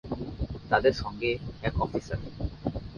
তাদের সঙ্গে এক অফিসার।